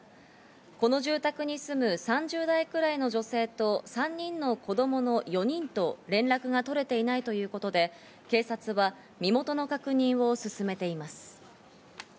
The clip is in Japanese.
この住宅に住む３０代ぐらいの女性と３人の子供の４人と連絡が取れていないということで、警察は身元の確認を進めています。